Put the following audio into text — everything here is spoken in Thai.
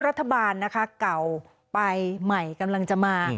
รัฐบาลนะคะเก่าไปใหม่กำลังจะมา